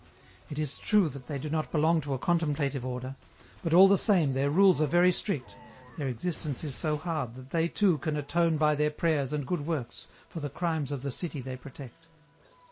It is true they do not belong to a contemplative order, but all the same their rules are very strict, their existence is so hard that they too can atone by their prayers and good works for the crimes of the city they protect."